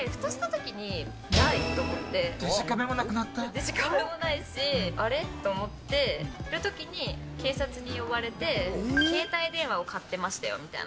デジカメもないしあれ？と思ってる時に警察に呼ばれて、携帯電話を買ってましたよみたいな。